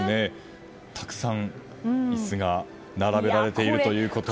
たくさん、椅子が並べられているということは？